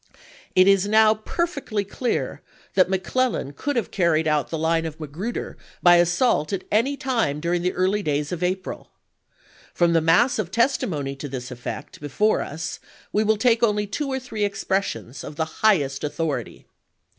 It is now perfectly clear that McClellan could YORKTOWN 367 have carried the line of Magruder by assault at any chap. xx. time duiing the early days of April. From the 1862. mass of testimony to this effect before us we will take only two or three expressions, of the highest authority.